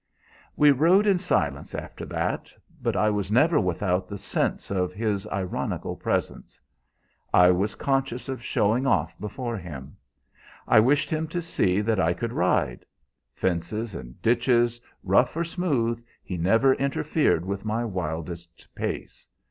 "We rode in silence after that, but I was never without the sense of his ironical presence. I was conscious of showing off before him. I wished him to see that I could ride. Fences and ditches, rough or smooth, he never interfered with my wildest pace.